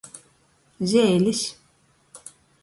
Zeilis.